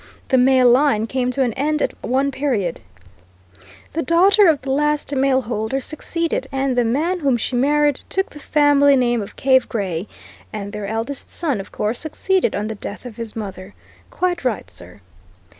The male line came to an end at one period the daughter of the last male holder succeeded, and the man whom she married took the family name of Cave Gray, and their eldest son, of course, succeeded on the death of his mother. Quite right, sir."